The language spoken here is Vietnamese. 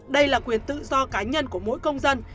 đây là quyền tự do cá nhân của mỗi công dân